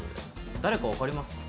誰か分かります？